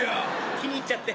気に入っちゃって。